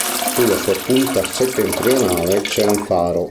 Sulla sua punta settentrionale c'è un faro.